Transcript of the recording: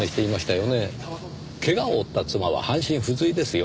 怪我を負った妻は半身不随ですよ。